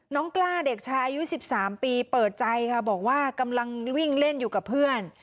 กล้าเด็กชายอายุ๑๓ปีเปิดใจค่ะบอกว่ากำลังวิ่งเล่นอยู่กับเพื่อน